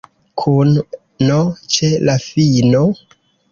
Kun n ĉe la fino?